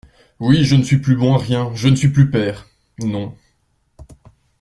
Oui, je ne suis plus bon à rien, je ne suis plus père ! non.